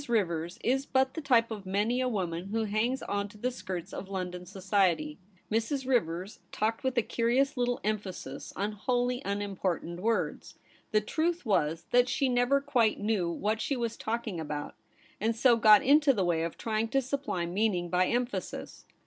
Rivers is but the type of many a woman who hangs on to the skirts of London society. Mrs. Rivers talked with a curious little emphasis on wholly unimportant words. The MADAME SPIN OLA AT HOME. truth was that she never quite knew what she was talking about, and so got into the way of trying to supply meaning by emphasis.